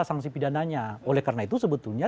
sanksi pidana nya oleh karena itu sebetulnya